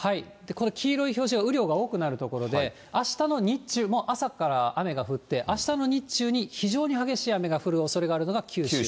黄色い表示は雨量が多くなる所で、あしたの日中、もう朝から雨が降って、あしたの日中に非常に激しい雨が降るおそれがあるのが九州。